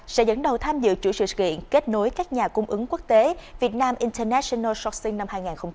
sẽ dẫn đầu tham dự chủ sự kiện kết nối các nhà cung ứng quốc tế vietnam international shortsing năm hai nghìn hai mươi ba